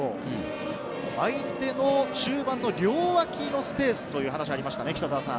相手の中盤の両脇のスペースというお話がありましたね。